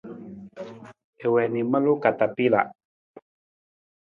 I wii na i maluu katapila.